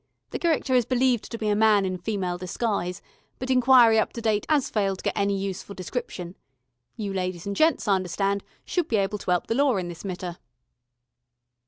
The cherecter is believed to be a man in female disguise, but enquiry up to date 'as failed to get any useful description. You ladies and gents, I understand, should be able to 'elp the Law in this metter."